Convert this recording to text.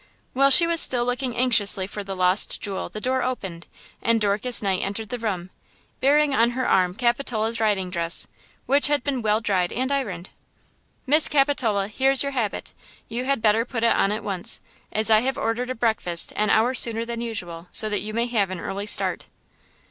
While she was still looking anxiously for the lost jewel the door opened and Dorcas Knight entered the room, bearing on her arm Capitola's riding dress, which had been well dried and ironed. "Miss Capitola, here is your habit; you had better put it on at once, as I have ordered breakfast an hour sooner than usual, so that you may have an early start."